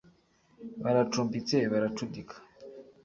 baracumbitse baracudika,